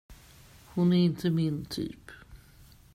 Hon är inte min typ.